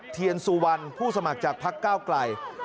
เทียนสุวรรณผู้สมัครจากพักก้าวไกล